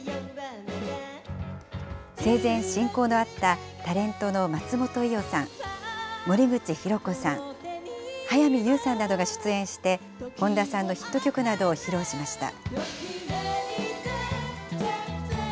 生前親交のあったタレントの松本伊代さん、森口博子さん、早見優さんなどが出演して、本田さんのヒット曲などを披露しました。